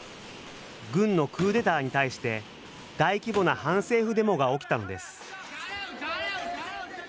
軍のクーデターに対して、大規模な反政府デモが起きたのです。